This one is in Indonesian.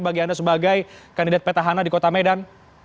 bagi anda sebagai kandidat petahana di kota medan